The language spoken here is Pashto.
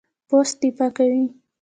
پوست دفاع کوي.